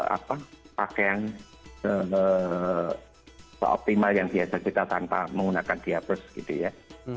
apa pakaian seoptimal yang biasa kita tanpa menggunakan diabes gitu ya